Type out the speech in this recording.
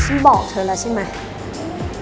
พี่บอกเธอแล้วใช่ไหม